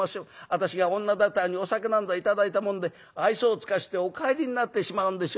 私が女だてらにお酒なんぞ頂いたもんで愛想を尽かしてお帰りになってしまうんでしょ』